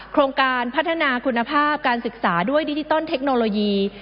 โครงการพัฒนาคุณภาพการศึกษาด้วยดิจิตอลเทคโนโลยี